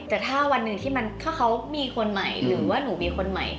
แต่ถ้าวันหนึ่งที่มันถ้าเขามีคนใหม่หรือว่าหนูมีคนใหม่